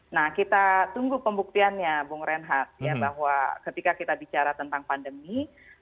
nah kita tunggu pembuktiannya bung reinhardt ya bahwa ketika kita bicara tentang pandemi